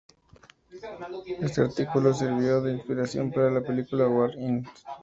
Este artículo sirvió de inspiración para la película War, Inc.